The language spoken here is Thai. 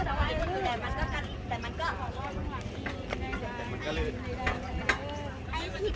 สวัสดีครับทุกคน